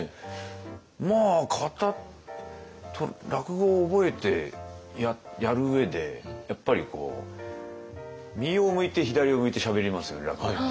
まあ型落語を覚えてやる上でやっぱり右を向いて左を向いてしゃべりますよね落語って。